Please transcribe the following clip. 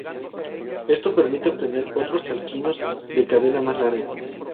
Esto permite obtener otros alquinos de cadena más larga.